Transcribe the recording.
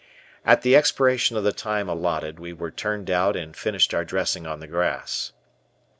At the expiration of the time allotted we were turned out and finished our dressing on the grass.